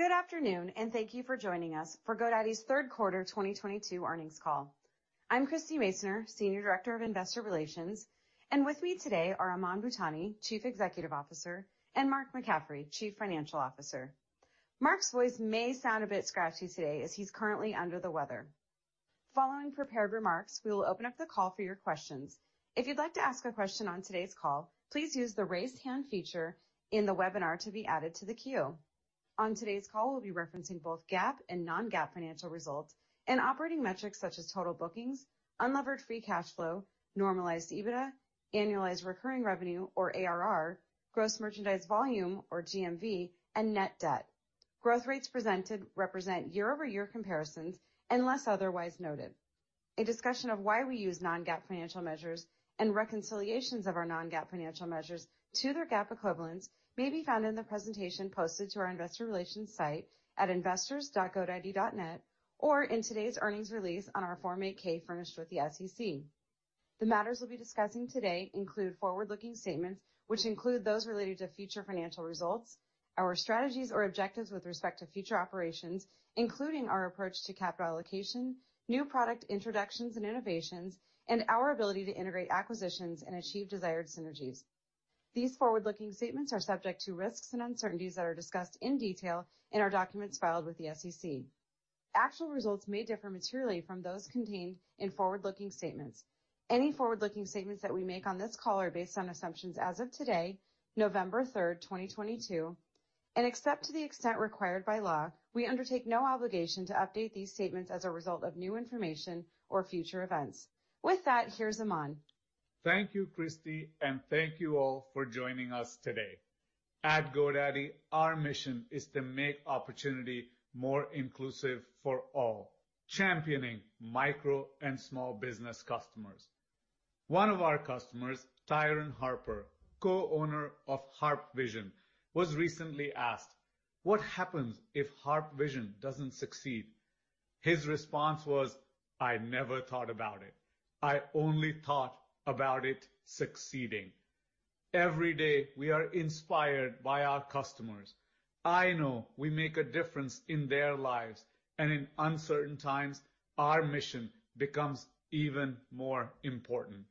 Good afternoon, and thank you for joining us for GoDaddy's third quarter 2022 earnings call. I'm Christie Masoner, Senior Director of Investor Relations, and with me today are Aman Bhutani, Chief Executive Officer, and Mark McCaffrey, Chief Financial Officer. Mark's voice may sound a bit scratchy today as he's currently under the weather. Following prepared remarks, we will open up the call for your questions. If you'd like to ask a question on today's call, please use the Raise Hand feature in the webinar to be added to the queue. On today's call, we'll be referencing both GAAP and non-GAAP financial results and operating metrics such as total bookings, unlevered free cash flow, normalized EBITDA, annualized recurring revenue or ARR, gross merchandise volume or GMV, and net debt. Growth rates presented represent year-over-year comparisons unless otherwise noted. A discussion of why we use non-GAAP financial measures and reconciliations of our non-GAAP financial measures to their GAAP equivalents may be found in the presentation posted to our investor relations site at investors.godaddy.net or in today's earnings release on our Form 8-K furnished with the SEC. The matters we'll be discussing today include forward-looking statements which include those related to future financial results, our strategies or objectives with respect to future operations, including our approach to capital allocation, new product introductions and innovations, and our ability to integrate acquisitions and achieve desired synergies. These forward-looking statements are subject to risks and uncertainties that are discussed in detail in our documents filed with the SEC. Actual results may differ materially from those contained in forward-looking statements. Any forward-looking statements that we make on this call are based on assumptions as of today, November 3, 2022. Except to the extent required by law, we undertake no obligation to update these statements as a result of new information or future events. With that, here's Aman. Thank you, Christie, and thank you all for joining us today. At GoDaddy, our mission is to make opportunity more inclusive for all, championing micro and small business customers. One of our customers, Tyron Harper, Co-owner of Harp Vision, was recently asked, "What happens if Harp Vision doesn't succeed?" His response was, "I never thought about it. I only thought about it succeeding." Every day, we are inspired by our customers. I know we make a difference in their lives, and in uncertain times, our mission becomes even more important.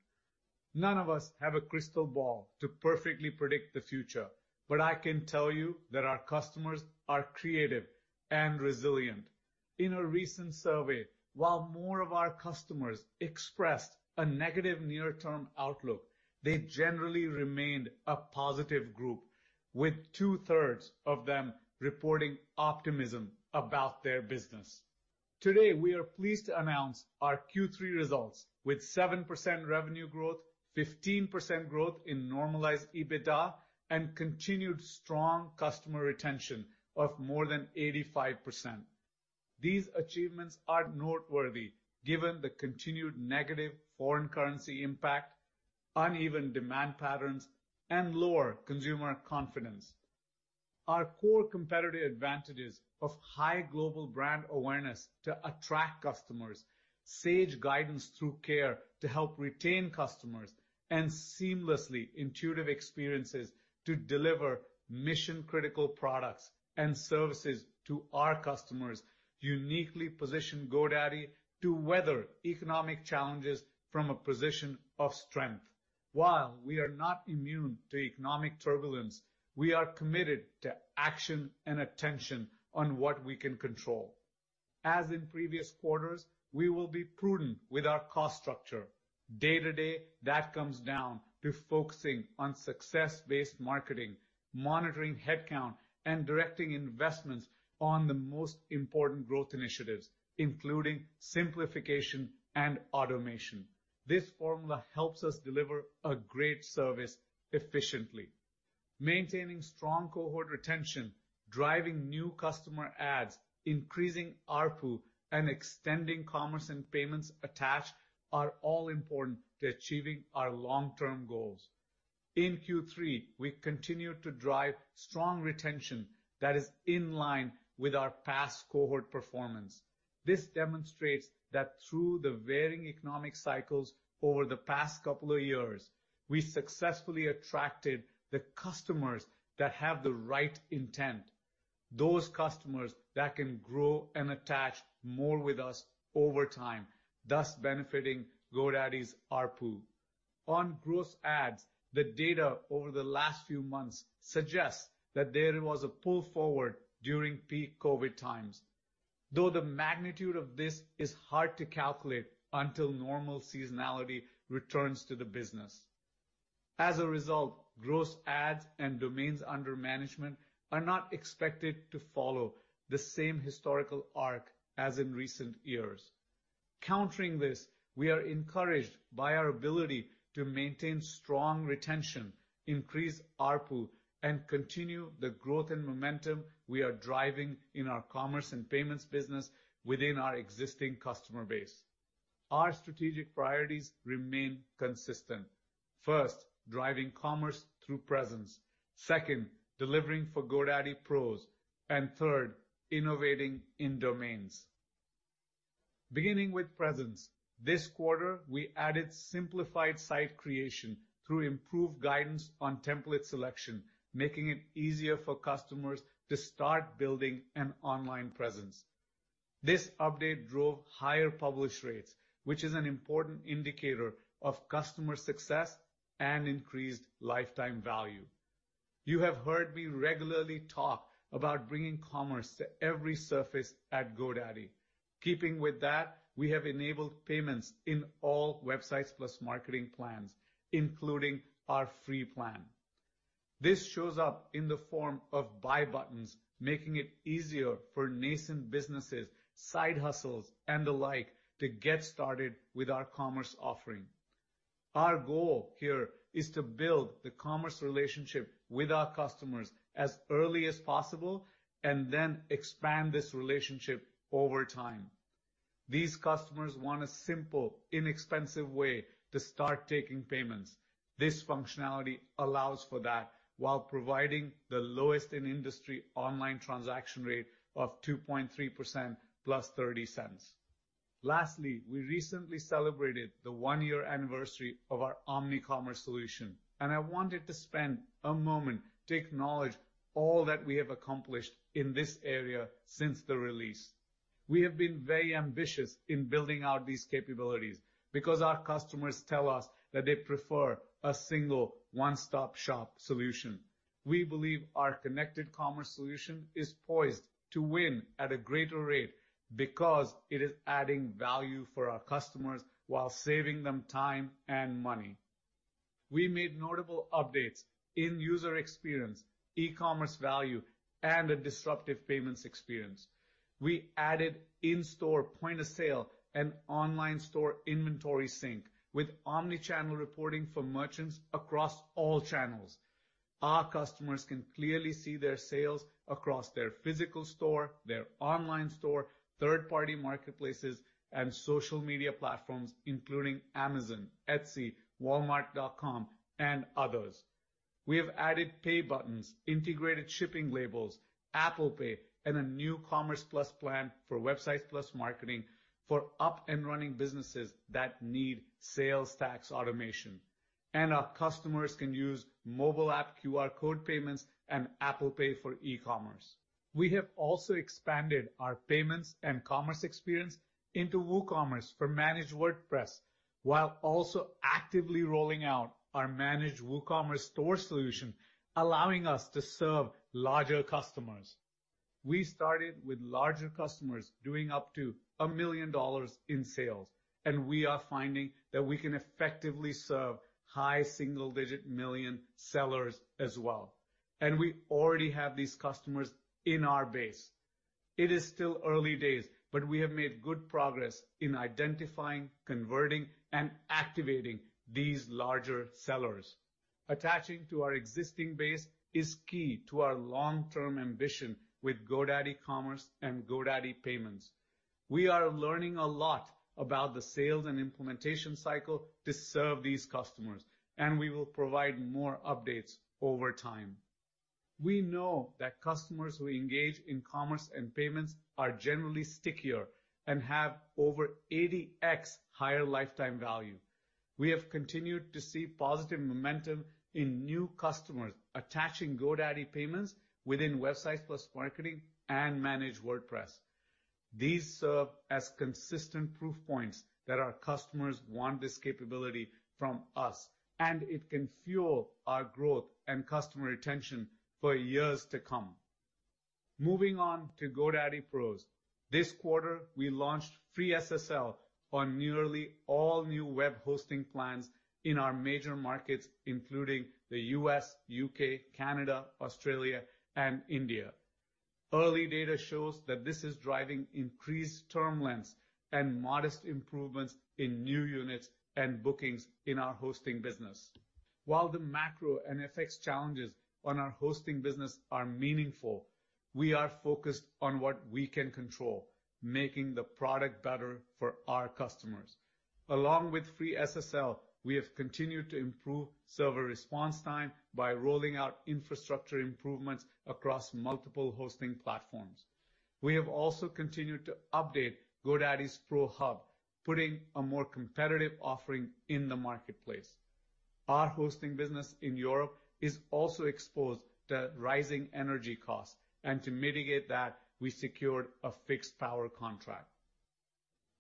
None of us have a crystal ball to perfectly predict the future, but I can tell you that our customers are creative and resilient. In a recent survey, while more of our customers expressed a negative near-term outlook, they generally remained a positive group, with two-thirds of them reporting optimism about their business. Today, we are pleased to announce our Q3 results with 7% revenue growth, 15% growth in normalized EBITDA, and continued strong customer retention of more than 85%. These achievements are noteworthy given the continued negative foreign currency impact, uneven demand patterns, and lower consumer confidence. Our core competitive advantages of high global brand awareness to attract customers, sage guidance through care to help retain customers, and seamlessly intuitive experiences to deliver mission-critical products and services to our customers uniquely position GoDaddy to weather economic challenges from a position of strength. While we are not immune to economic turbulence, we are committed to action and attention on what we can control. As in previous quarters, we will be prudent with our cost structure. Day to day, that comes down to focusing on success-based marketing, monitoring headcount, and directing investments on the most important growth initiatives, including simplification and automation. This formula helps us deliver a great service efficiently. Maintaining strong cohort retention, driving new customer ads, increasing ARPU, and extending commerce and payments attached are all important to achieving our long-term goals. In Q3, we continued to drive strong retention that is in line with our past cohort performance. This demonstrates that through the varying economic cycles over the past couple of years, we successfully attracted the customers that have the right intent, those customers that can grow and attach more with us over time, thus benefiting GoDaddy's ARPU. On gross adds, the data over the last few months suggests that there was a pull forward during peak COVID times, though the magnitude of this is hard to calculate until normal seasonality returns to the business. As a result, gross adds and domains under management are not expected to follow the same historical arc as in recent years. Countering this, we are encouraged by our ability to maintain strong retention, increase ARPU, and continue the growth and momentum we are driving in our commerce and payments business within our existing customer base. Our strategic priorities remain consistent. First, driving commerce through presence. Second, delivering for GoDaddy Pros. Third, innovating in domains. Beginning with presence. This quarter, we added simplified site creation through improved guidance on template selection, making it easier for customers to start building an online presence. This update drove higher publish rates, which is an important indicator of customer success and increased lifetime value. You have heard me regularly talk about bringing commerce to every surface at GoDaddy. Keeping with that, we have enabled payments in all Websites + Marketing plans, including our free plan. This shows up in the form of buy buttons, making it easier for nascent businesses, side hustles, and the like to get started with our commerce offering. Our goal here is to build the commerce relationship with our customers as early as possible and then expand this relationship over time. These customers want a simple, inexpensive way to start taking payments. This functionality allows for that while providing the lowest in industry online transaction rate of 2.3% plus $0.30. Lastly, we recently celebrated the one-year anniversary of our omnicommerce solution, and I wanted to spend a moment to acknowledge all that we have accomplished in this area since the release. We have been very ambitious in building out these capabilities because our customers tell us that they prefer a single one-stop shop solution. We believe our connected commerce solution is poised to win at a greater rate because it is adding value for our customers while saving them time and money. We made notable updates in user experience, e-commerce value, and a disruptive payments experience. We added in-store point-of-sale and online store inventory sync with omni-channel reporting for merchants across all channels. Our customers can clearly see their sales across their physical store, their online store, third-party marketplaces, and social media platforms, including Amazon, Etsy, Walmart.com, and others. We have added pay buttons, integrated shipping labels, Apple Pay, and a new Commerce Plus plan for Websites + Marketing for up-and-running businesses that need sales tax automation. Our customers can use mobile app QR code payments and Apple Pay for e-commerce. We have also expanded our payments and commerce experience into WooCommerce for Managed WordPress, while also actively rolling out our managed WooCommerce store solution, allowing us to serve larger customers. We started with larger customers doing up to $1 million in sales, and we are finding that we can effectively serve high single-digit million sellers as well. We already have these customers in our base. It is still early days, but we have made good progress in identifying, converting, and activating these larger sellers. Attaching to our existing base is key to our long-term ambition with GoDaddy Commerce and GoDaddy Payments. We are learning a lot about the sales and implementation cycle to serve these customers, and we will provide more updates over time. We know that customers who engage in commerce and payments are generally stickier and have over 80x higher lifetime value. We have continued to see positive momentum in new customers attaching GoDaddy Payments within Websites + Marketing and Managed WordPress. These serve as consistent proof points that our customers want this capability from us, and it can fuel our growth and customer retention for years to come. Moving on to GoDaddy Pro. This quarter, we launched free SSL on nearly all new web hosting plans in our major markets, including the U.S., U.K., Canada, Australia, and India. Early data shows that this is driving increased term lengths and modest improvements in new units and bookings in our hosting business. While the macro and FX challenges on our hosting business are meaningful, we are focused on what we can control, making the product better for our customers. Along with free SSL, we have continued to improve server response time by rolling out infrastructure improvements across multiple hosting platforms. We have also continued to update the Hub by GoDaddy Pro, putting a more competitive offering in the marketplace. Our hosting business in Europe is also exposed to rising energy costs, and to mitigate that, we secured a fixed power contract.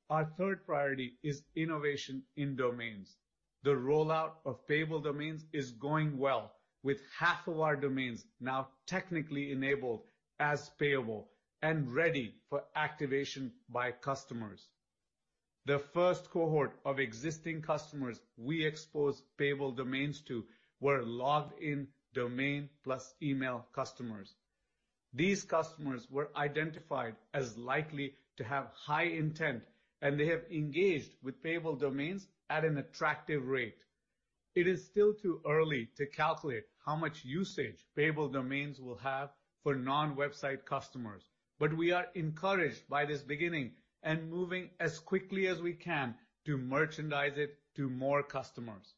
Our third priority is innovation in domains. The rollout of Payable Domains is going well, with half of our domains now technically enabled as payable and ready for activation by customers. The first cohort of existing customers we exposed Payable Domains to were logged-in domain plus email customers. These customers were identified as likely to have high intent, and they have engaged with Payable Domains at an attractive rate. It is still too early to calculate how much usage Payable Domains will have for non-website customers, but we are encouraged by this beginning and moving as quickly as we can to merchandise it to more customers.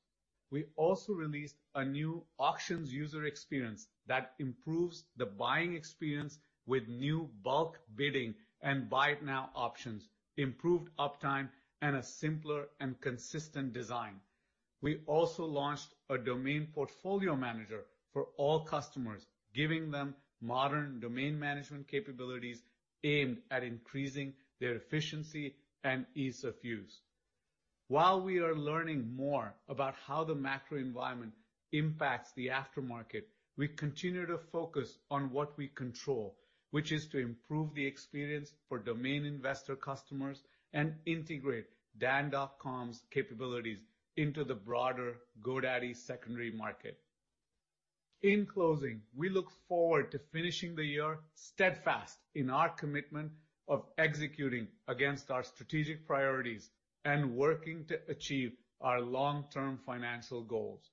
We also released a new auctions user experience that improves the buying experience with new bulk bidding and buy it now options, improved uptime, and a simpler and consistent design. We also launched a domain portfolio manager for all customers, giving them modern domain management capabilities aimed at increasing their efficiency and ease of use. While we are learning more about how the macro environment impacts the aftermarket, we continue to focus on what we control, which is to improve the experience for domain investor customers and integrate Dan.com's capabilities into the broader GoDaddy secondary market. In closing, we look forward to finishing the year steadfast in our commitment of executing against our strategic priorities and working to achieve our long-term financial goals.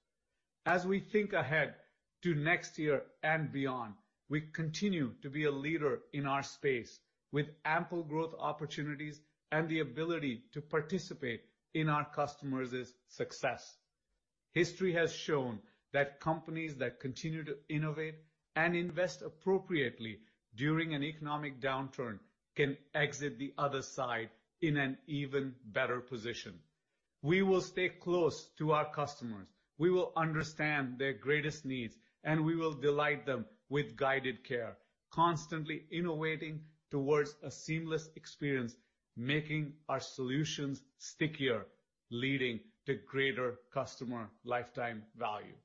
As we think ahead to next year and beyond, we continue to be a leader in our space with ample growth opportunities and the ability to participate in our customers' success. History has shown that companies that continue to innovate and invest appropriately during an economic downturn can exit the other side in an even better position. We will stay close to our customers, we will understand their greatest needs, and we will delight them with guided care, constantly innovating towards a seamless experience, making our solutions stickier, leading to greater customer lifetime value.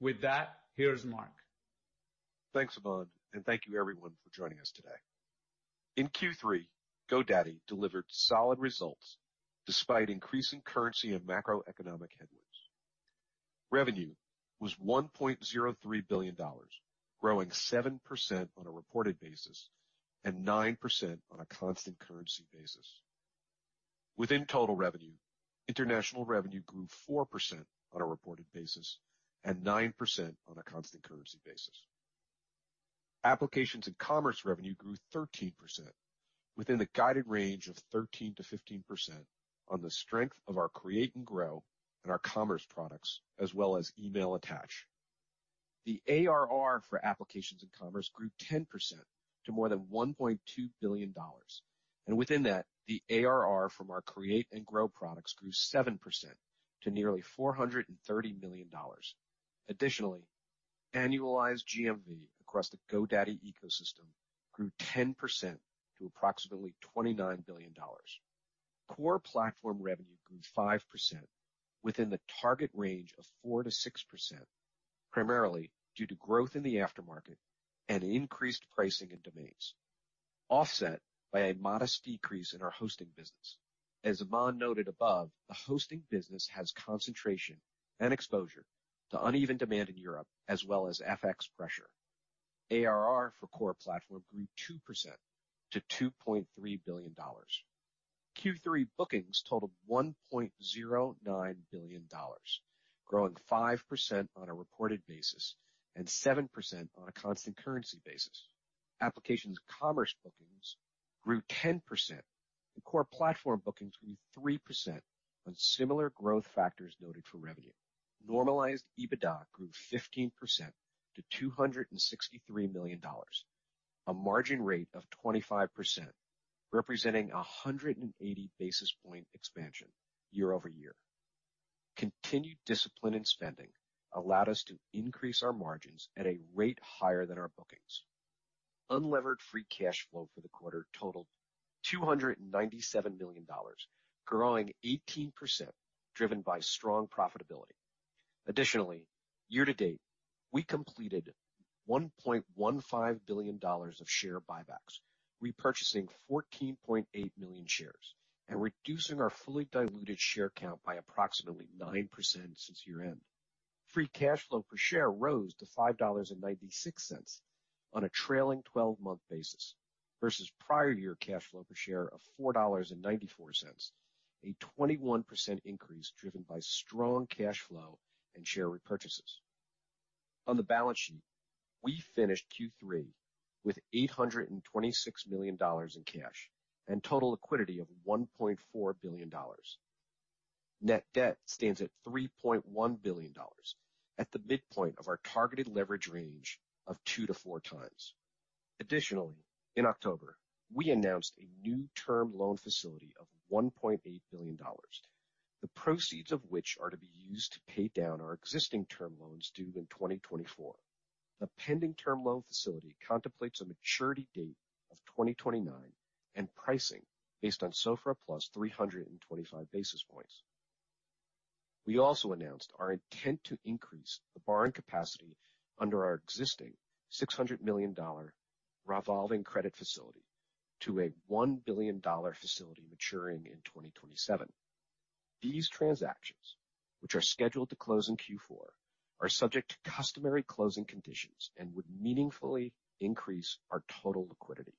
With that, here's Mark. Thanks, Aman, and thank you everyone for joining us today. In Q3, GoDaddy delivered solid results despite increasing currency and macroeconomic headwinds. Revenue was $1.03 billion, growing 7% on a reported basis and 9% on a constant currency basis. Within total revenue, international revenue grew 4% on a reported basis and 9% on a constant currency basis. Applications and Commerce revenue grew 13% within the guided range of 13%-15% on the strength of our Create and Grow and our commerce products, as well as email attach. The ARR for Applications and Commerce grew 10% to more than $1.2 billion. Within that, the ARR from our Create and Grow products grew 7% to nearly $430 million. Additionally, annualized GMV across the GoDaddy ecosystem grew 10% to approximately $29 billion. Core Platform revenue grew 5% within the target range of 4%-6%, primarily due to growth in the aftermarket and increased pricing in domains, offset by a modest decrease in our hosting business. As Aman noted above, the hosting business has concentration and exposure to uneven demand in Europe as well as FX pressure. ARR for Core Platform grew 2% to $2.3 billion. Q3 bookings totaled $1.09 billion, growing 5% on a reported basis and 7% on a constant currency basis. Applications and Commerce bookings grew 10%, and Core Platform bookings grew 3% on similar growth factors noted for revenue. Normalized EBITDA grew 15% to $263 million, a margin rate of 25%, representing a 180 basis point expansion year-over-year. Continued discipline in spending allowed us to increase our margins at a rate higher than our bookings. Unlevered free cash flow for the quarter totaled $297 million, growing 18%, driven by strong profitability. Additionally, year-to-date, we completed $1.15 billion of share buybacks, repurchasing 14.8 million shares and reducing our fully diluted share count by approximately 9% since year-end. Free cash flow per share rose to $5.96 on a trailing twelve-month basis versus prior year cash flow per share of $4.94, a 21% increase driven by strong cash flow and share repurchases. On the balance sheet, we finished Q3 with $826 million in cash and total liquidity of $1.4 billion. Net debt stands at $3.1 billion at the midpoint of our targeted leverage range of two to four times. Additionally, in October, we announced a new term loan facility of $1.8 billion, the proceeds of which are to be used to pay down our existing term loans due in 2024. The pending term loan facility contemplates a maturity date of 2029 and pricing based on SOFR plus 325 basis points. We also announced our intent to increase the borrowing capacity under our existing $600 million revolving credit facility to a $1 billion facility maturing in 2027. These transactions, which are scheduled to close in Q4, are subject to customary closing conditions and would meaningfully increase our total liquidity.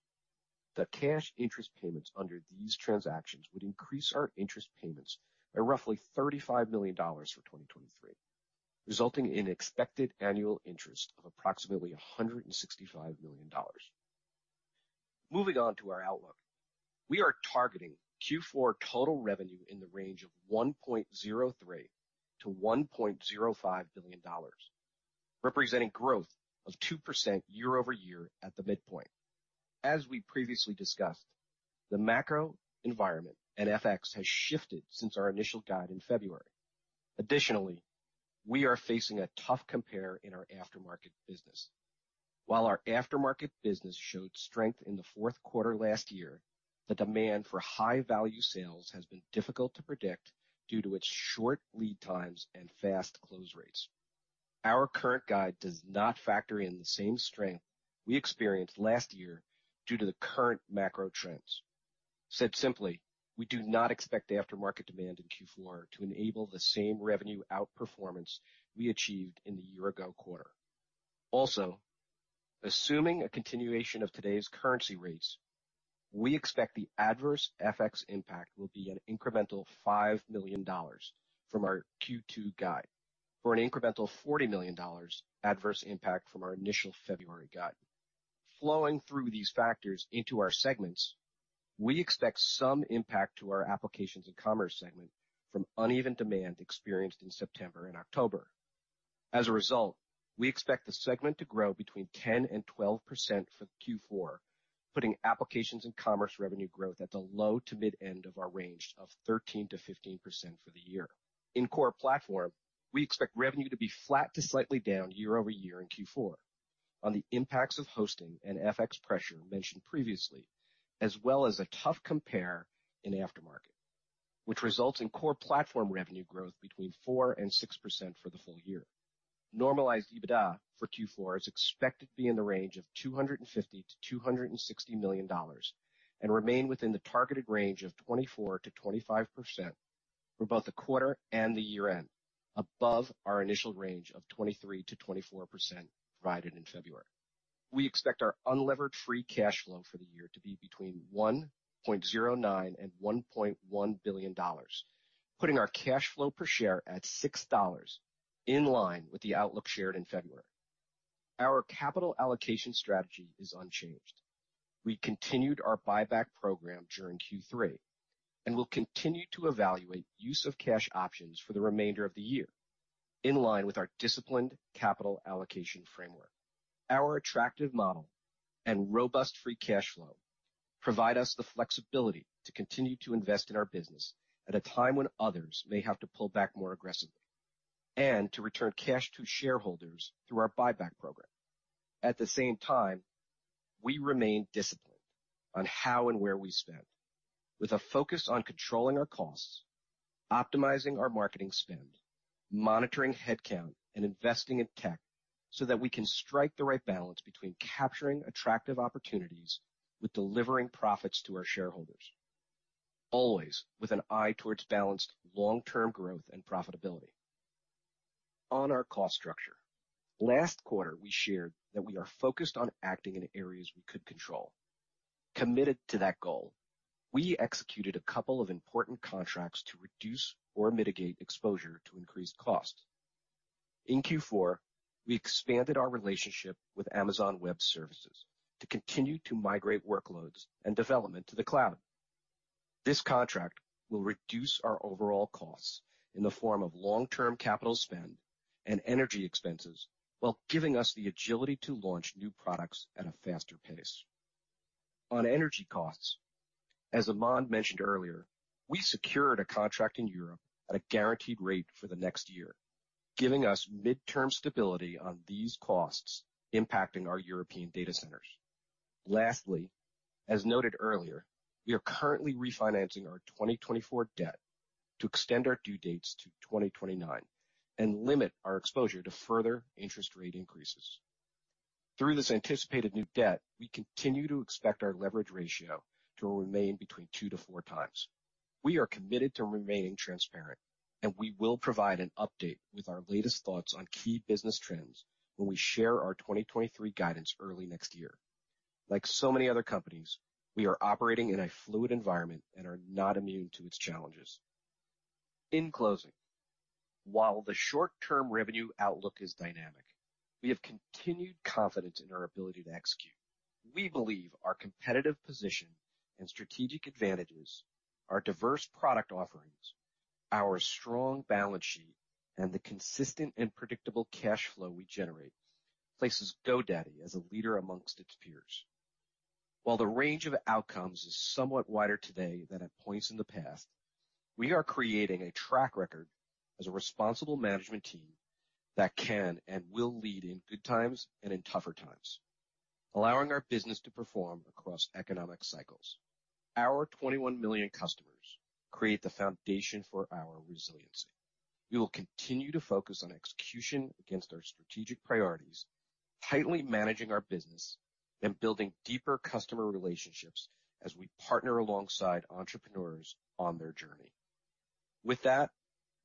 The cash interest payments under these transactions would increase our interest payments by roughly $35 million for 2023, resulting in expected annual interest of approximately $165 million. Moving on to our outlook. We are targeting Q4 total revenue in the range of $1.03 billion-$1.05 billion, representing growth of 2% year-over-year at the midpoint. As we previously discussed, the macro environment and FX has shifted since our initial guide in February. Additionally, we are facing a tough compare in our aftermarket business. While our aftermarket business showed strength in the fourth quarter last year, the demand for high-value sales has been difficult to predict due to its short lead times and fast close rates. Our current guide does not factor in the same strength we experienced last year due to the current macro trends. Said simply, we do not expect aftermarket demand in Q4 to enable the same revenue outperformance we achieved in the year-ago quarter. Also, assuming a continuation of today's currency rates, we expect the adverse FX impact will be an incremental $5 million from our Q2 guide for an incremental $40 million adverse impact from our initial February guide. Flowing through these factors into our segments, we expect some impact to our Applications and Commerce segment from uneven demand experienced in September and October. As a result, we expect the segment to grow between 10% and 12% for Q4, putting Applications and Commerce revenue growth at the low to mid-end of our range of 13%-15% for the year. In Core Platform, we expect revenue to be flat to slightly down year-over-year in Q4 on the impacts of hosting and FX pressure mentioned previously, as well as a tough compare in aftermarket, which results in Core Platform revenue growth between 4% and 6% for the full year. Normalized EBITDA for Q4 is expected to be in the range of $250 million-$260 million and remain within the targeted range of 24%-25% for both the quarter and the year-end, above our initial range of 23%-24% provided in February. We expect our unlevered free cash flow for the year to be between $1.09 billion and $1.1 billion, putting our cash flow per share at $6, in line with the outlook shared in February. Our capital allocation strategy is unchanged. We continued our buyback program during Q3, and we'll continue to evaluate use of cash options for the remainder of the year in line with our disciplined capital allocation framework. Our attractive model and robust free cash flow provide us the flexibility to continue to invest in our business at a time when others may have to pull back more aggressively and to return cash to shareholders through our buyback program. At the same time, we remain disciplined on how and where we spend, with a focus on controlling our costs, optimizing our marketing spend, monitoring headcount, and investing in tech so that we can strike the right balance between capturing attractive opportunities with delivering profits to our shareholders, always with an eye towards balanced long-term growth and profitability. On our cost structure, last quarter, we shared that we are focused on acting in areas we could control. Committed to that goal, we executed a couple of important contracts to reduce or mitigate exposure to increased costs. In Q4, we expanded our relationship with Amazon Web Services to continue to migrate workloads and development to the cloud. This contract will reduce our overall costs in the form of long-term capital spend and energy expenses while giving us the agility to launch new products at a faster pace. On energy costs, as Aman mentioned earlier, we secured a contract in Europe at a guaranteed rate for the next year, giving us midterm stability on these costs impacting our European data centers. Lastly, as noted earlier, we are currently refinancing our 2024 debt to extend our due dates to 2029 and limit our exposure to further interest rate increases. Through this anticipated new debt, we continue to expect our leverage ratio to remain between two to four times. We are committed to remaining transparent, and we will provide an update with our latest thoughts on key business trends when we share our 2023 guidance early next year. Like so many other companies, we are operating in a fluid environment and are not immune to its challenges. In closing, while the short-term revenue outlook is dynamic, we have continued confidence in our ability to execute. We believe our competitive position and strategic advantages, our diverse product offerings, our strong balance sheet, and the consistent and predictable cash flow we generate places GoDaddy as a leader amongst its peers. While the range of outcomes is somewhat wider today than at points in the past, we are creating a track record as a responsible management team that can and will lead in good times and in tougher times, allowing our business to perform across economic cycles. Our 21 million customers create the foundation for our resiliency. We will continue to focus on execution against our strategic priorities, tightly managing our business and building deeper customer relationships as we partner alongside entrepreneurs on their journey. With that,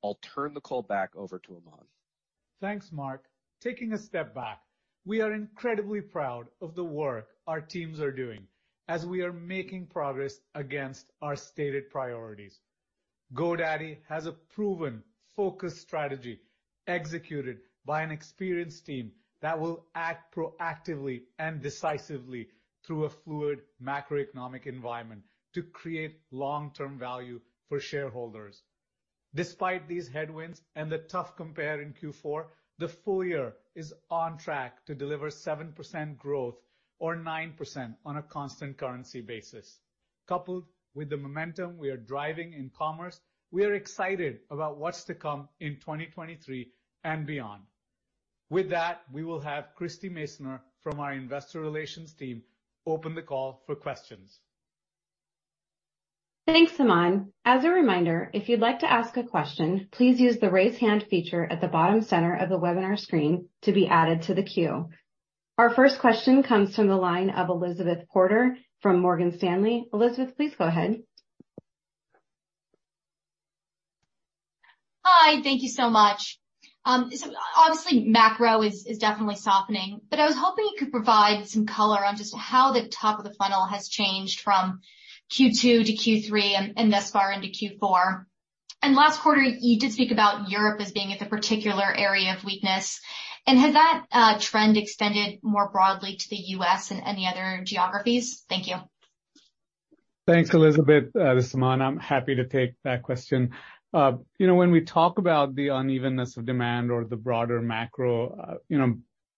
I'll turn the call back over to Aman. Thanks, Mark. Taking a step back, we are incredibly proud of the work our teams are doing as we are making progress against our stated priorities. GoDaddy has a proven focus strategy executed by an experienced team that will act proactively and decisively through a fluid macroeconomic environment to create long-term value for shareholders. Despite these headwinds and the tough compare in Q4, the full year is on track to deliver 7% growth or 9% on a constant currency basis. Coupled with the momentum we are driving in commerce, we are excited about what's to come in 2023 and beyond. With that, we will have Christie Masoner from our investor relations team open the call for questions. Thanks, Aman. As a reminder, if you'd like to ask a question, please use the Raise Hand feature at the bottom center of the webinar screen to be added to the queue. Our first question comes from the line of Elizabeth Porter from Morgan Stanley. Elizabeth, please go ahead. Hi, thank you so much. Obviously, macro is definitely softening, but I was hoping you could provide some color on just how the top of the funnel has changed from Q2 to Q3 and thus far into Q4. Last quarter, you did speak about Europe as being a particular area of weakness, and has that trend extended more broadly to the U.S. and any other geographies? Thank you. Thanks, Elizabeth. This is Aman. I'm happy to take that question. You know, when we talk about the unevenness of demand or the broader macro, you know,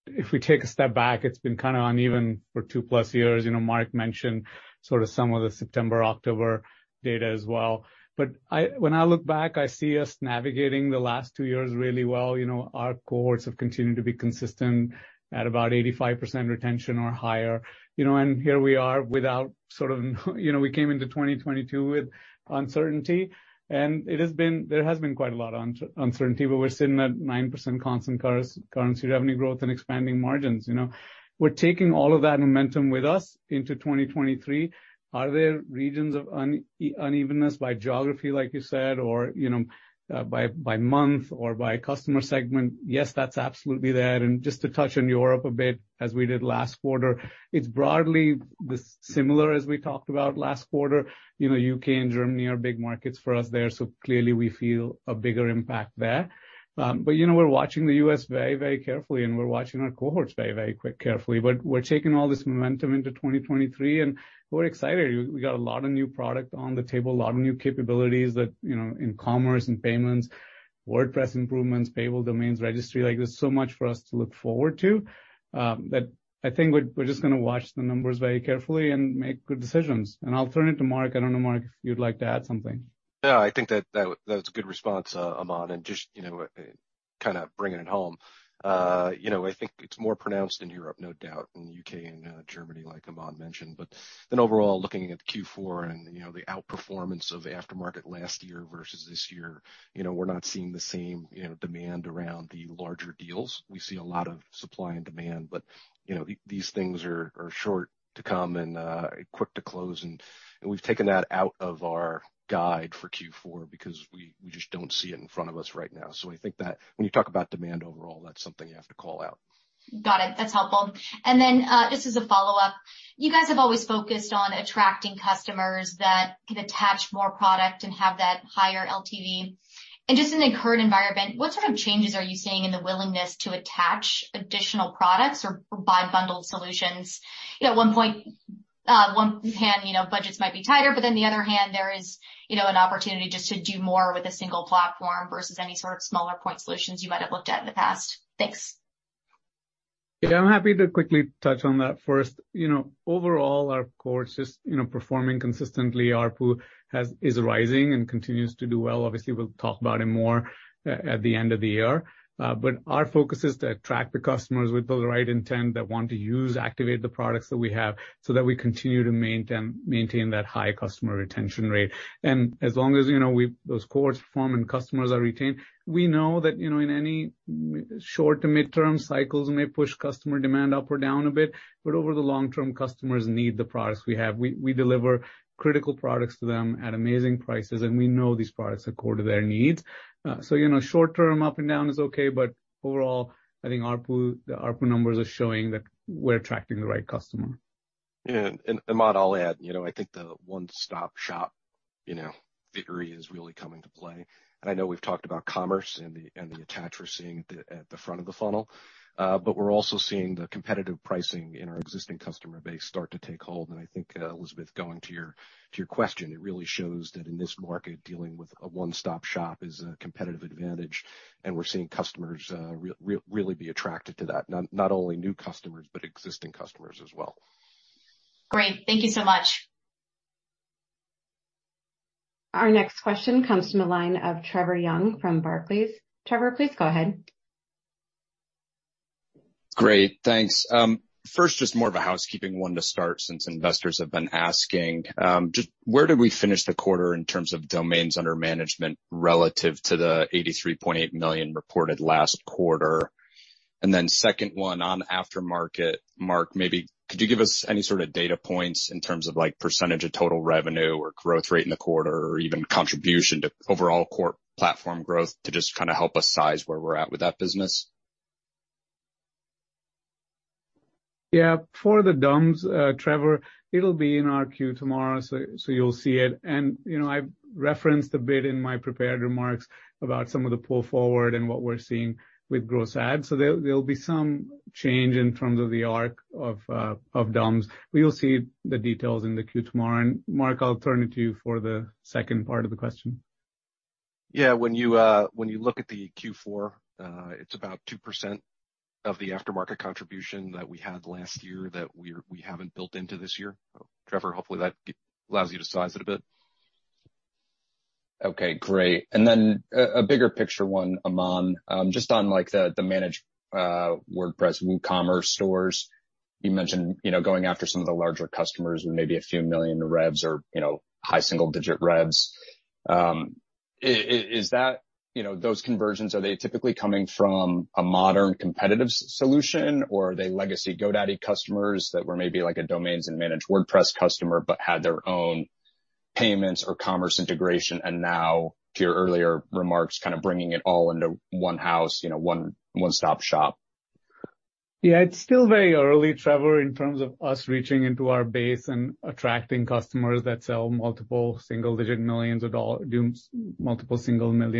if we take a step back, it's been kind of uneven for 2+ years. You know, Mark mentioned sort of some of the September, October data as well. When I look back, I see us navigating the last two years really well. You know, our cohorts have continued to be consistent at about 85% retention or higher, you know, and here we are without sort of. You know, we came into 2022 with uncertainty, and it has been, there has been quite a lot of uncertainty, but we're sitting at 9% constant currency revenue growth and expanding margins, you know. We're taking all of that momentum with us into 2023. Are there regions of unevenness by geography, like you said, or, you know, by month or by customer segment? Yes, that's absolutely there. Just to touch on Europe a bit, as we did last quarter, it's broadly similar as we talked about last quarter. You know, U.K. and Germany are big markets for us there, so clearly we feel a bigger impact there. But, you know, we're watching the U.S. very, very carefully, and we're watching our cohorts very, very carefully. We're taking all this momentum into 2023, and we're excited. We got a lot of new product on the table, a lot of new capabilities that, you know, in commerce and payments, WordPress improvements, Payable Domains, registry. Like, there's so much for us to look forward to, that I think we're just gonna watch the numbers very carefully and make good decisions. I'll turn it to Mark. I don't know, Mark, if you'd like to add something. Yeah, I think that's a good response, Aman. Just, you know, kinda bringing it home. You know, I think it's more pronounced in Europe, no doubt, in the U.K. and Germany, like Aman mentioned. Then overall, looking at Q4 and, you know, the outperformance of aftermarket last year versus this year, you know, we're not seeing the same, you know, demand around the larger deals. We see a lot of supply and demand, but, you know, these things are short to come and quick to close. We've taken that out of our guide for Q4 because we just don't see it in front of us right now. I think that when you talk about demand overall, that's something you have to call out. Got it. That's helpful. Just as a follow-up, you guys have always focused on attracting customers that can attach more product and have that higher LTV. Just in the current environment, what sort of changes are you seeing in the willingness to attach additional products or buy bundled solutions? You know, on the one hand, you know, budgets might be tighter, but then the other hand, there is, you know, an opportunity just to do more with a single platform versus any sort of smaller point solutions you might have looked at in the past. Thanks. Yeah, I'm happy to quickly touch on that first. You know, overall, our core is just, you know, performing consistently. ARPU is rising and continues to do well. Obviously, we'll talk about it more at the end of the year. But our focus is to attract the customers with the right intent that want to use, activate the products that we have so that we continue to maintain that high customer retention rate. As long as, you know, those cores perform and customers are retained, we know that, you know, in any short to mid-term cycles may push customer demand up or down a bit, but over the long term, customers need the products we have. We deliver critical products to them at amazing prices, and we know these products are core to their needs. You know, short term up and down is okay, but overall, I think ARPU, the ARPU numbers are showing that we're attracting the right customer. Yeah. Aman, I'll add, you know, I think the one-stop-shop, you know, theory is really coming to play. I know we've talked about commerce and the attach we're seeing at the front of the funnel, but we're also seeing the competitive pricing in our existing customer base start to take hold. I think, Elizabeth, going to your question, it really shows that in this market, dealing with a one-stop shop is a competitive advantage, and we're seeing customers really be attracted to that, not only new customers, but existing customers as well. Great. Thank you so much. Our next question comes from the line of Trevor Young from Barclays. Trevor, please go ahead. Great. Thanks. First, just more of a housekeeping one to start, since investors have been asking. Just where did we finish the quarter in terms of domains under management relative to the 83.8 million reported last quarter? And then second one on aftermarket, Mark, maybe could you give us any sort of data points in terms of, like, percentage of total revenue or growth rate in the quarter or even contribution to overall Core Platform growth to just kind of help us size where we're at with that business? Yeah. For the dumps, Trevor, it'll be in our queue tomorrow, so you'll see it. You know, I referenced a bit in my prepared remarks about some of the pull forward and what we're seeing with gross adds. There'll be some change in terms of the arc of dumps. You'll see the details in the queue tomorrow. Mark, I'll turn it to you for the second part of the question. Yeah. When you look at the Q4, it's about 2% of the aftermarket contribution that we had last year that we haven't built into this year. Trevor, hopefully that allows you to size it a bit. Okay, great. A bigger picture one, Aman. Just on like the Managed WordPress WooCommerce stores, you mentioned, you know, going after some of the larger customers with maybe a few million revs or, you know, high single-digit revs. Is that, you know, those conversions, are they typically coming from a modern competitive solution, or are they legacy GoDaddy customers that were maybe like a domains and Managed WordPress customer but had their own payments or commerce integration, and now, to your earlier remarks, kind of bringing it all into one house, you know, one-stop shop? Yeah. It's still very early, Trevor, in terms of us reaching into our base and attracting customers that sell multiple single million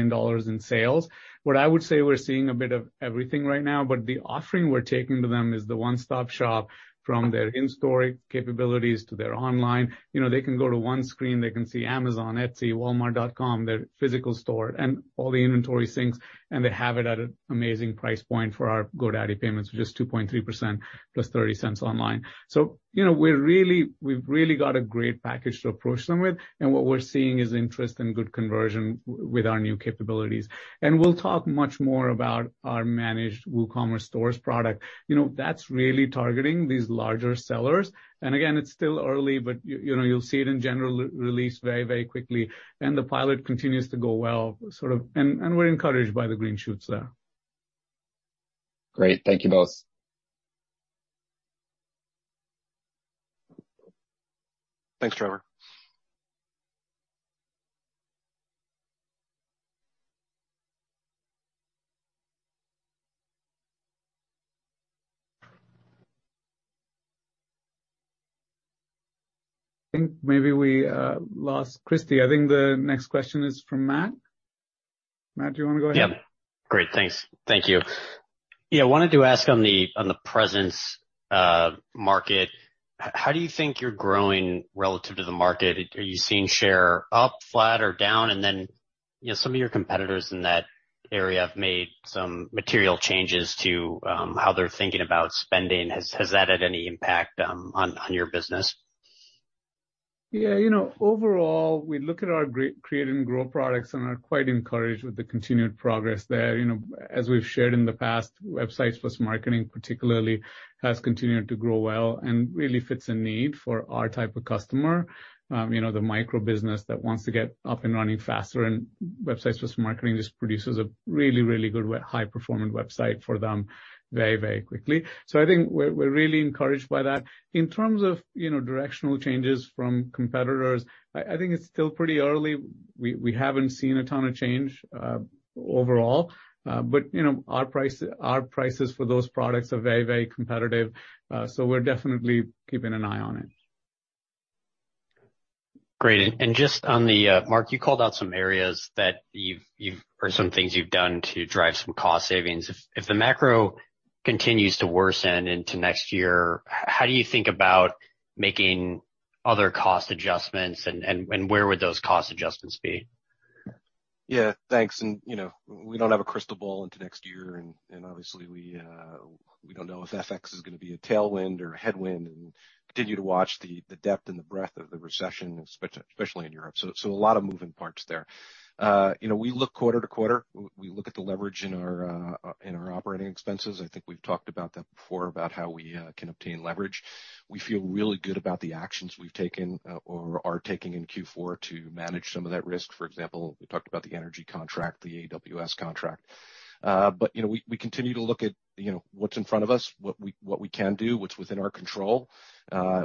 dollars in sales. What I would say, we're seeing a bit of everything right now, but the offering we're taking to them is the one-stop shop from their in-store capabilities to their online. You know, they can go to one screen, they can see Amazon, Etsy, Walmart.com, their physical store, and all the inventory syncs, and they have it at an amazing price point for our GoDaddy Payments, which is 2.3% plus $0.30 online. You know, we're really, we've really got a great package to approach them with, and what we're seeing is interest and good conversion with our new capabilities. We'll talk much more about our Managed WooCommerce stores product. You know, that's really targeting these larger sellers. Again, it's still early, but you know, you'll see it in general release very, very quickly. The pilot continues to go well, sort of, and we're encouraged by the green shoots there. Great. Thank you both. Thanks, Trevor. I think maybe we lost Christie. I think the next question is from Matt. Matt, do you wanna go ahead? Yeah. Great. Thanks. Thank you. Yeah, wanted to ask on the presence market, how do you think you're growing relative to the market? Are you seeing share up, flat or down? And then, you know, some of your competitors in that area have made some material changes to how they're thinking about spending. Has that had any impact on your business? Yeah. You know, overall, we look at our Create and Grow products and are quite encouraged with the continued progress there. You know, as we've shared in the past, Websites + Marketing particularly has continued to grow well and really fits a need for our type of customer, you know, the micro business that wants to get up and running faster. Websites + Marketing just produces a really, really good high performing website for them very, very quickly. I think we're really encouraged by that. In terms of, you know, directional changes from competitors, I think it's still pretty early. We haven't seen a ton of change overall. You know, our prices for those products are very, very competitive, so we're definitely keeping an eye on it. Great. Just on the, Mark, you called out some areas that you've or some things you've done to drive some cost savings. If the macro continues to worsen into next year, how do you think about making other cost adjustments and where would those cost adjustments be? Yeah, thanks. You know, we don't have a crystal ball into next year and obviously we don't know if FX is gonna be a tailwind or a headwind and continue to watch the depth and the breadth of the recession, especially in Europe. A lot of moving parts there. You know, we look quarter to quarter. We look at the leverage in our operating expenses. I think we've talked about that before, about how we can obtain leverage. We feel really good about the actions we've taken or are taking in Q4 to manage some of that risk. For example, we talked about the energy contract, the AWS contract. You know, we continue to look at, you know, what's in front of us, what we can do, what's within our control.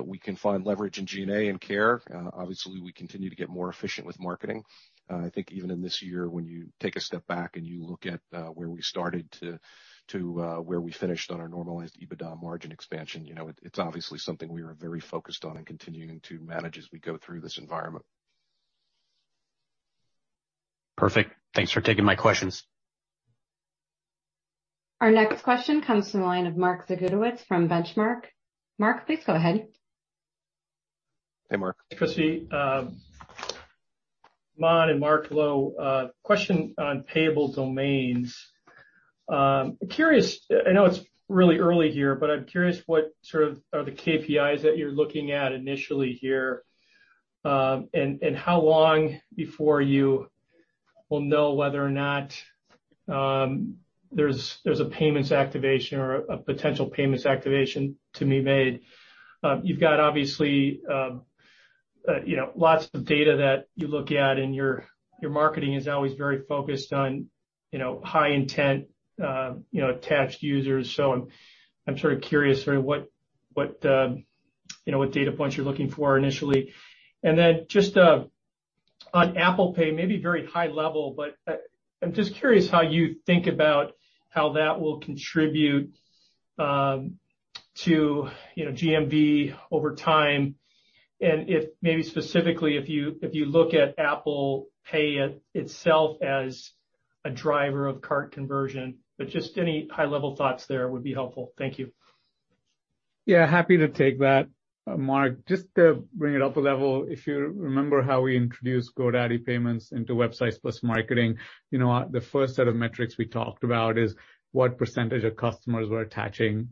We can find leverage in G&A and care. Obviously, we continue to get more efficient with marketing. I think even in this year, when you take a step back and you look at where we started to where we finished on our normalized EBITDA margin expansion, you know, it's obviously something we are very focused on and continuing to manage as we go through this environment. Perfect. Thanks for taking my questions. Our next question comes from the line of Mark Zgutowicz from Benchmark. Mark, please go ahead. Hey, Mark. Christie, Aman and Mark, well, question on Payable Domains. I know it's really early here, but I'm curious what sort of are the KPIs that you're looking at initially here, and how long before you will know whether or not there's a payments activation or a potential payments activation to be made. You've got obviously, you know, lots of data that you look at, and your marketing is always very focused on, you know, high intent, you know, attached users. I'm sort of curious what data points you're looking for initially. Then just a- On Apple Pay, maybe very high level, but I'm just curious how you think about how that will contribute to you know GMV over time, and if maybe specifically if you look at Apple Pay itself as a driver of cart conversion, but just any high-level thoughts there would be helpful. Thank you. Yeah. Happy to take that, Mark. Just to bring it up a level, if you remember how we introduced GoDaddy Payments into Websites + Marketing, you know the first set of metrics we talked about is what percentage of customers were attaching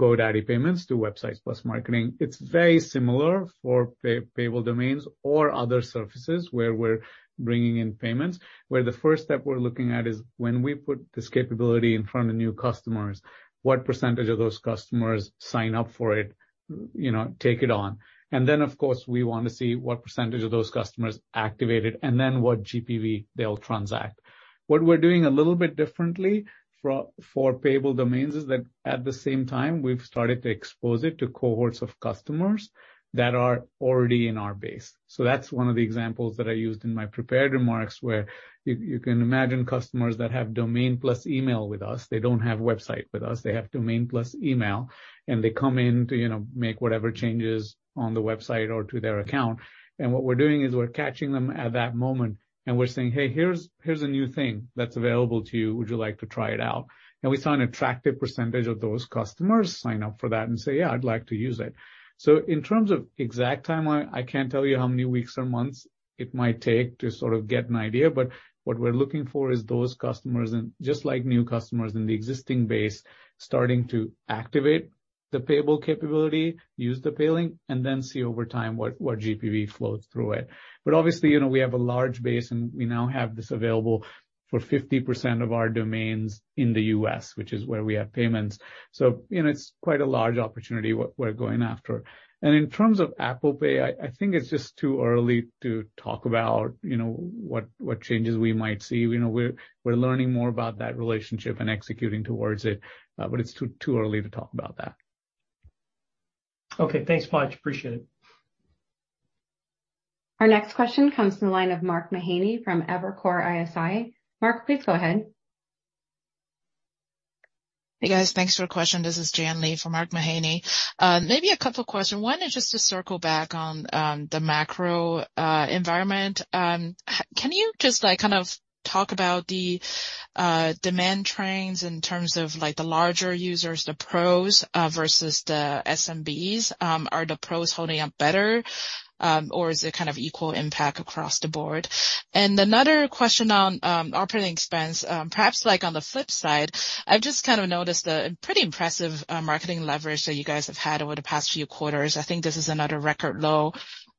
GoDaddy Payments to Websites + Marketing. It's very similar for Payable Domains or other services where we're bringing in payments, where the first step we're looking at is when we put this capability in front of new customers, what percentage of those customers sign up for it, you know, take it on. Then, of course, we wanna see what percentage of those customers activate it and then what GPV they'll transact. What we're doing a little bit differently for Payable Domains is that at the same time we've started to expose it to cohorts of customers that are already in our base. That's one of the examples that I used in my prepared remarks, where you can imagine customers that have domain plus email with us. They don't have website with us. They have domain plus email, and they come in to, you know, make whatever changes on the website or to their account. What we're doing is we're catching them at that moment, and we're saying, "Hey, here's a new thing that's available to you. Would you like to try it out?" We saw an attractive percentage of those customers sign up for that and say, "Yeah, I'd like to use it." In terms of exact timeline, I can't tell you how many weeks or months it might take to sort of get an idea, but what we're looking for is those customers and just like new customers in the existing base, starting to activate the Payable capability, use the Pay link, and then see over time what GPV flows through it. Obviously, you know, we have a large base, and we now have this available for 50% of our domains in the U.S., which is where we have payments, so you know it's quite a large opportunity what we're going after. In terms of Apple Pay, I think it's just too early to talk about, you know, what changes we might see. You know, we're learning more about that relationship and executing towards it, but it's too early to talk about that. Okay. Thanks, Aman. Appreciate it. Our next question comes from the line of Mark Mahaney from Evercore ISI. Mark, please go ahead. Hey, guys. Thanks for the question. This is Jian Li for Mark Mahaney. Maybe a couple questions. One is just to circle back on the macro environment. Can you just like kind of talk about the demand trends in terms of like the larger users, the pros, versus the SMBs? Are the pros holding up better, or is it kind of equal impact across the board? Another question on operating expense, perhaps like on the flip side, I've just kind of noticed the pretty impressive marketing leverage that you guys have had over the past few quarters. I think this is another record low.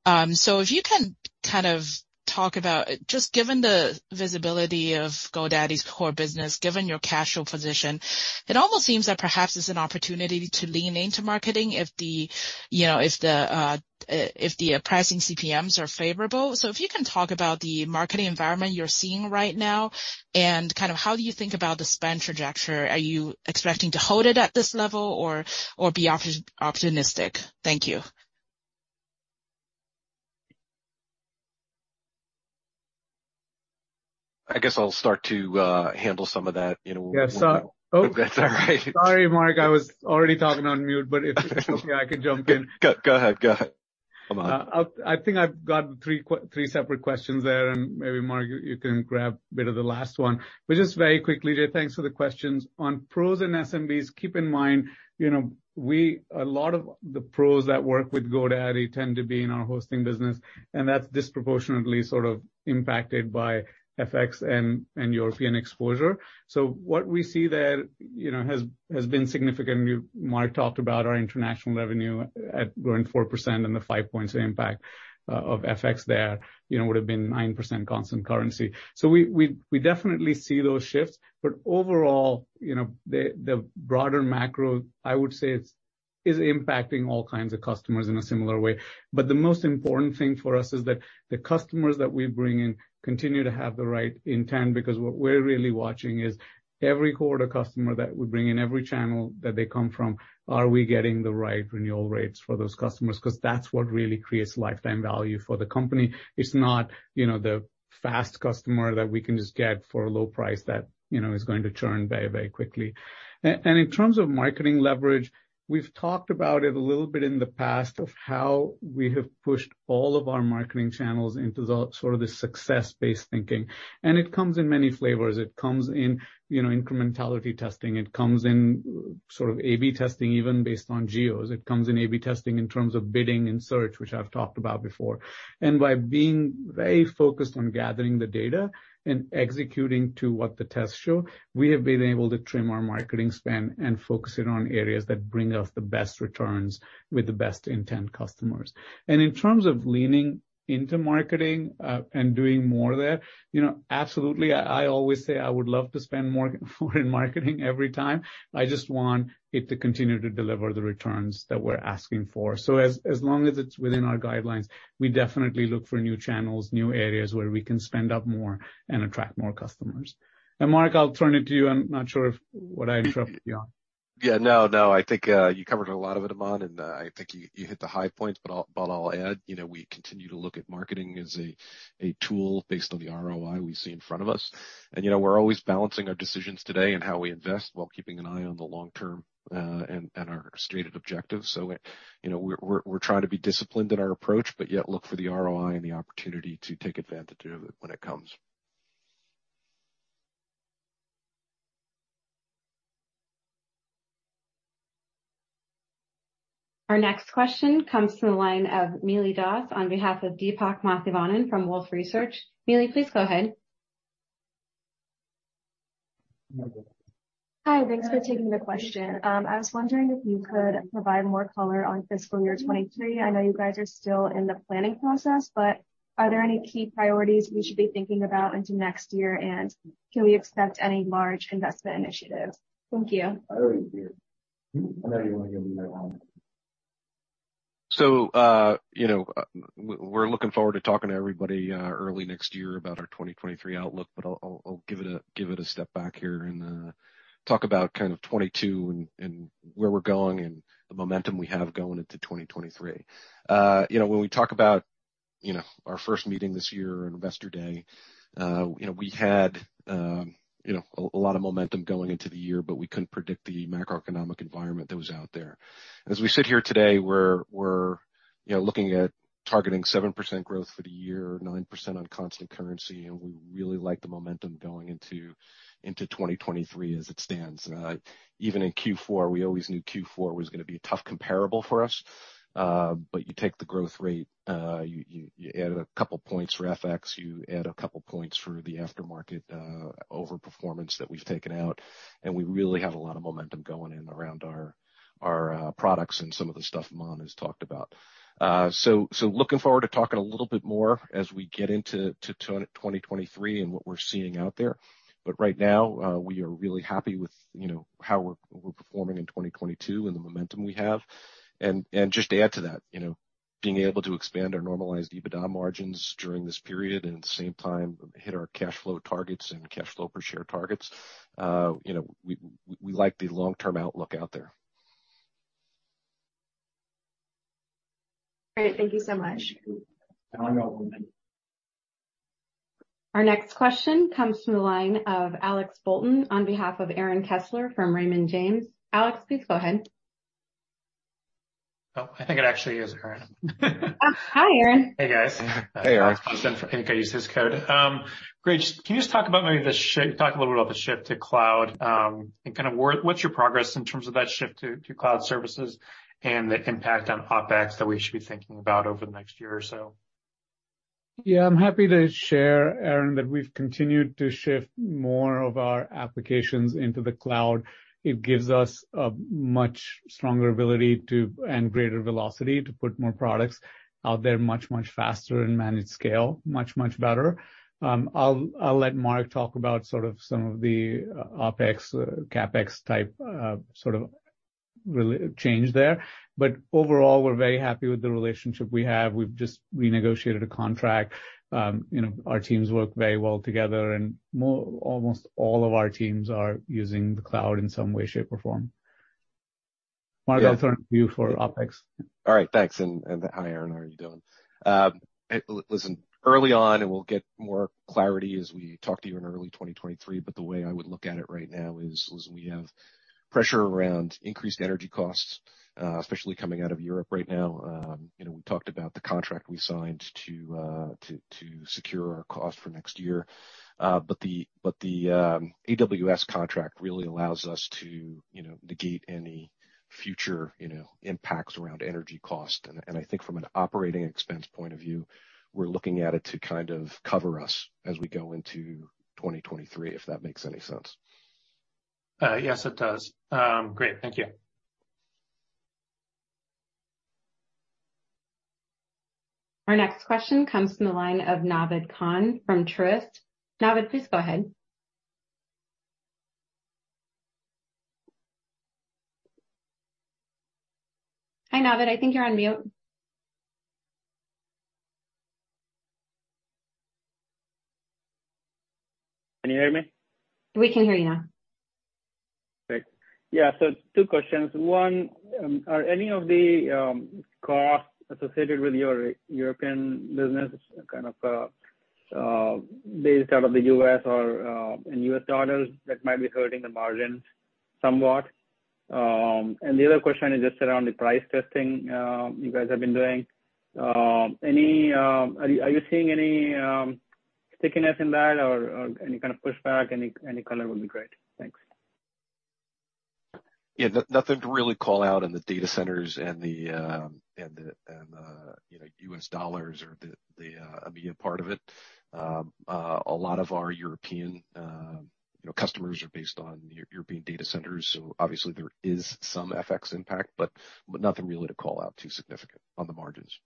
If you can kind of talk about just given the visibility of GoDaddy's core business, given your cash flow position, it almost seems that perhaps it's an opportunity to lean into marketing if the, you know, if the pricing CPMs are favorable. If you can talk about the marketing environment you're seeing right now and kind of how do you think about the spend trajectory. Are you expecting to hold it at this level or be optimistic? Thank you. I guess I'll start to handle some of that, you know. Yeah. If that's all right. Sorry, Mark. I was already talking on mute, but if it's okay, I can jump in. Go ahead. Go ahead. I think I've got three separate questions there, and maybe Mark, you can grab a bit of the last one. Just very quickly, Jian, thanks for the questions. On pros and SMBs, keep in mind, you know, a lot of the pros that work with GoDaddy tend to be in our hosting business, and that's disproportionately sort of impacted by FX and European exposure. What we see there, you know, has been significant. Mark talked about our international revenue at growing 4% and the five points of impact of FX there, you know, would've been 9% constant currency. We definitely see those shifts. Overall, you know, the broader macro, I would say it's impacting all kinds of customers in a similar way, but the most important thing for us is that the customers that we bring in continue to have the right intent, because what we're really watching is every quarter customer that we bring in, every channel that they come from, are we getting the right renewal rates for those customers? Because that's what really creates lifetime value for the company. It's not, you know, the fast customer that we can just get for a low price that, you know, is going to churn very quickly. In terms of marketing leverage, we've talked about it a little bit in the past of how we have pushed all of our marketing channels into the sort of success-based thinking, and it comes in many flavors. It comes in, you know, incrementality testing. It comes in sort of AB testing, even based on geos. It comes in AB testing in terms of bidding and search, which I've talked about before. By being very focused on gathering the data and executing to what the tests show, we have been able to trim our marketing spend and focus it on areas that bring us the best returns with the best intent customers. In terms of leaning into marketing and doing more there, you know, absolutely. I always say I would love to spend more in marketing every time. I just want it to continue to deliver the returns that we're asking for. As long as it's within our guidelines, we definitely look for new channels, new areas where we can spend up more and attract more customers. Mark, I'll turn it to you. I'm not sure if what I interrupted you on. Yeah, no. I think you covered a lot of it, Aman, and I think you hit the high points, but I'll add, you know, we continue to look at marketing as a tool based on the ROI we see in front of us. You know, we're always balancing our decisions today and how we invest while keeping an eye on the long term and our stated objectives. You know, we're trying to be disciplined in our approach, but yet look for the ROI and the opportunity to take advantage of it when it comes. Our next question comes from the line of Mili Das on behalf of Deepak Mathivanan from Wolfe Research. Mili, please go ahead. Hi, thanks for taking the question. I was wondering if you could provide more color on fiscal year 2023. I know you guys are still in the planning process, but are there any key priorities we should be thinking about into next year, and can we expect any large investment initiatives? Thank you. We're looking forward to talking to everybody early next year about our 2023 outlook, but I'll give it a step back here and talk about kind of 2022 and where we're going and the momentum we have going into 2023. You know, when we talk about our first meeting this year, Investor Day, you know, we had a lot of momentum going into the year, but we couldn't predict the macroeconomic environment that was out there. As we sit here today, we're looking at targeting 7% growth for the year, 9% on constant currency, and we really like the momentum going into 2023 as it stands. Even in Q4, we always knew Q4 was gonna be a tough comparable for us. You take the growth rate, you add a couple points for FX, you add a couple points for the aftermarket overperformance that we've taken out, and we really have a lot of momentum going in around our products and some of the stuff Aman has talked about. Looking forward to talking a little bit more as we get into 2023 and what we're seeing out there. Right now, we are really happy with, you know, how we're performing in 2022 and the momentum we have. Just to add to that, you know, being able to expand our normalized EBITDA margins during this period and at the same time hit our cash flow targets and cash flow per share targets, you know, we like the long-term outlook out there. Great. Thank you so much. Our next question comes from the line of Alex Bolton on behalf of Aaron Kessler from Raymond James. Alex, please go ahead. Oh, I think it actually is Aaron. Hi, Aaron. Hey, guys. Hey, Aaron. I think I used his code. Great. Can you just talk a little bit about the shift to cloud, and kind of what's your progress in terms of that shift to cloud services and the impact on OpEx that we should be thinking about over the next year or so? Yeah. I'm happy to share, Aaron, that we've continued to shift more of our applications into the cloud. It gives us a much stronger ability to, and greater velocity, to put more products out there much, much faster and manage scale much, much better. I'll let Mark talk about some of the OpEx, CapEx type sort of change there. Overall, we're very happy with the relationship we have. We've just renegotiated a contract. You know, our teams work very well together, and almost all of our teams are using the cloud in some way, shape, or form. Mark, I'll turn to you for OpEx. All right. Thanks. Hi, Aaron. How are you doing? Listen, early on, we'll get more clarity as we talk to you in early 2023, but the way I would look at it right now is, listen, we have pressure around increased energy costs, especially coming out of Europe right now. You know, we talked about the contract we signed to secure our cost for next year. The AWS contract really allows us to, you know, negate any future, you know, impacts around energy cost. I think from an operating expense point of view, we're looking at it to kind of cover us as we go into 2023, if that makes any sense. Yes, it does. Great. Thank you. Our next question comes from the line of Naved Khan from Truist. Naved, please go ahead. Hi, Naved. I think you're on mute. Can you hear me? We can hear you now. Great. Yeah. Two questions. One, are any of the costs associated with your European business kind of based out of the U.S. or in U.S. dollars that might be hurting the margins somewhat? And the other question is just around the price testing you guys have been doing. Any, are you seeing any stickiness in that or any kind of pushback? Any color would be great. Thanks. Yeah. Nothing to really call out in the data centers and the, you know, U.S. dollars or the EMEA part of it. A lot of our European, you know, customers are based in European data centers, so obviously there is some FX impact, but nothing really to call out too significant on the margins.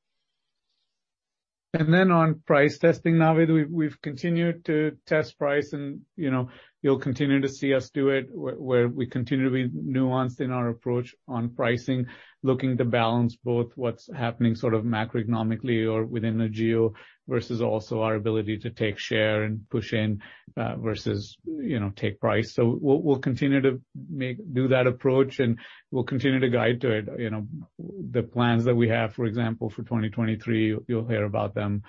Then on price testing, Naved, we've continued to test price and, you know, you'll continue to see us do it where we continue to be nuanced in our approach on pricing, looking to balance both what's happening sort of macroeconomically or within the geo versus also our ability to take share and push in, versus, you know, take price. We'll continue to do that approach, and we'll continue to guide to it. You know, the plans that we have, for example, for 2023, you'll hear about them,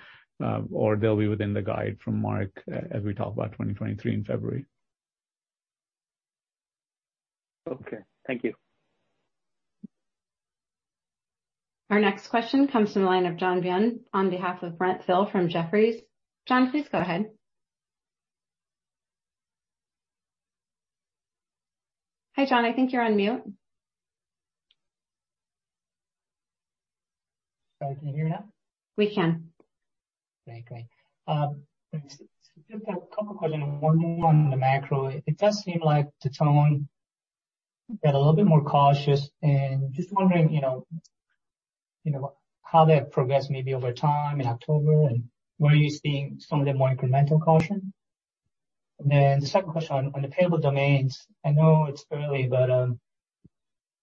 or they'll be within the guide from Mark as we talk about 2023 in February. Okay. Thank you. Our next question comes from the line of John Byun on behalf of Brent Thill from Jefferies. John, please go ahead. Hi, John. I think you're on mute. Sorry. Can you hear me now? We can. Great. Just a couple questions. One more on the macro. It does seem like the tone got a little bit more cautious and just wondering, you know, how that progressed maybe over time in October, and where are you seeing some of the more incremental caution? Then the second question on the Payable Domains. I know it's early, but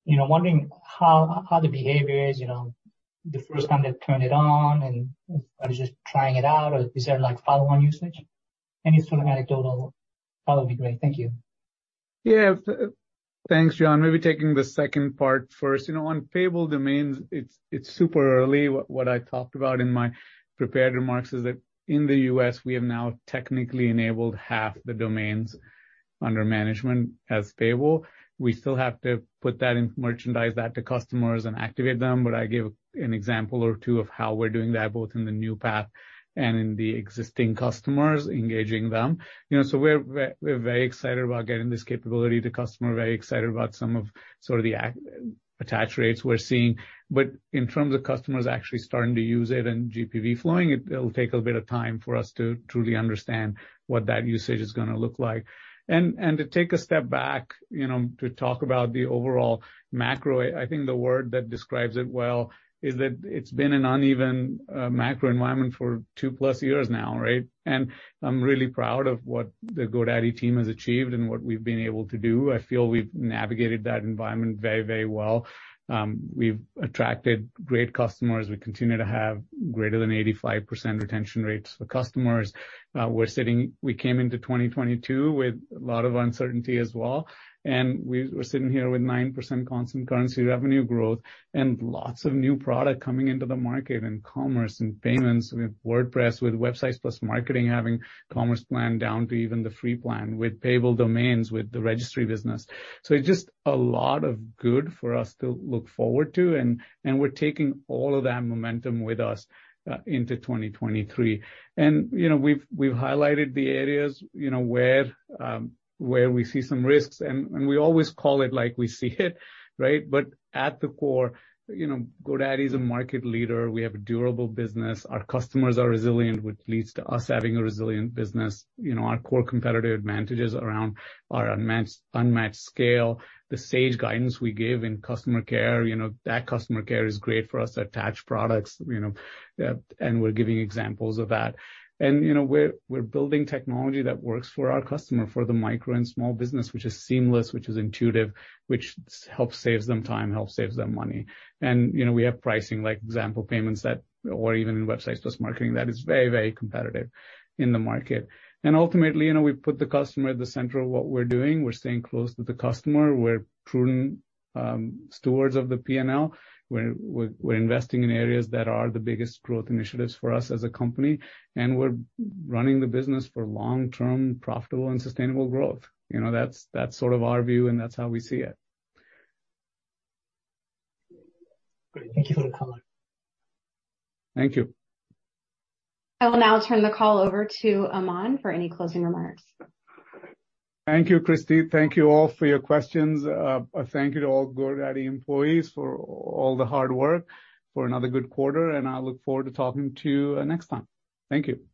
you know, wondering how the behavior is, you know, the first time they turn it on and are they just trying it out? Or is it like follow-on usage? Anything sort of anecdotal, that would probably be great. Thank you. Thanks, John. Maybe taking the second part first. You know, on Payable Domains, it's super early. What I talked about in my prepared remarks is that in the U.S. we have now technically enabled half the domains under management as payable. We still have to put that in merchandise that to customers and activate them, but I gave an example or two of how we're doing that both in the new path and in the existing customers, engaging them. You know, we're very excited about getting this capability to customers, very excited about some of the attach rates we're seeing. But in terms of customers actually starting to use it and GPV flowing, it'll take a bit of time for us to truly understand what that usage is gonna look like. To take a step back, you know, to talk about the overall macro, I think the word that describes it well is that it's been an uneven macro environment for two-plus years now, right? I'm really proud of what the GoDaddy team has achieved and what we've been able to do. I feel we've navigated that environment very, very well. We've attracted great customers. We continue to have greater than 85% retention rates for customers. We came into 2022 with a lot of uncertainty as well, and we're sitting here with 9% constant currency revenue growth and lots of new product coming into the market in commerce and payments with WordPress, with Websites + Marketing, having commerce plan down to even the free plan, with payable domains, with the registry business. It's just a lot of good for us to look forward to, and we're taking all of that momentum with us into 2023. You know, we've highlighted the areas, you know, where we see some risks, and we always call it like we see it, right? but at the core, you know, GoDaddy is a market leader. We have a durable business. Our customers are resilient, which leads to us having a resilient business. You know, our core competitive advantage is around our unmatched scale. The sage guidance we give in customer care, you know, that customer care is great for us to attach products, you know, and we're giving examples of that. You know, we're building technology that works for our customer, for the micro and small business, which is seamless, which is intuitive, which helps saves them time, helps saves them money. You know, we have pricing, for example, payments that, or even in Websites + Marketing, that is very, very competitive in the market. Ultimately, you know, we put the customer at the center of what we're doing. We're staying close to the customer. We're prudent stewards of the P&L. We're investing in areas that are the biggest growth initiatives for us as a company, and we're running the business for long-term profitable and sustainable growth. You know, that's sort of our view, and that's how we see it. Great. Thank you for the color. Thank you. I will now turn the call over to Aman for any closing remarks. Thank you, Christie. Thank you all for your questions. A thank you to all GoDaddy employees for all the hard work, for another good quarter, and I look forward to talking to you, next time. Thank you.